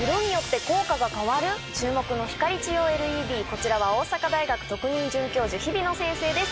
こちらは大阪大学特任准教授日比野先生です。